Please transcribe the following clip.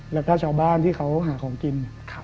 แล้วก็ชาวบ้านที่เขาหาของกิน